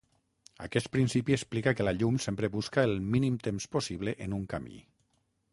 Aquest principi explica que la llum sempre busca el mínim temps possible en un camí.